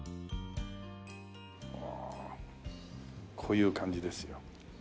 ああこういう感じですよ。